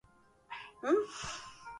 ndio tulikuwa na mke wa askofu akio